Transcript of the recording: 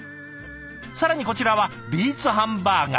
更にこちらはビーツハンバーガー。